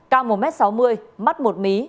cao một m sáu mươi mắt một mí